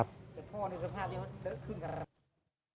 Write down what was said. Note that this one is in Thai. เดี๋ยวพ่อดูสภาพอย่างว่าเดอะขึ้นกับร้ำ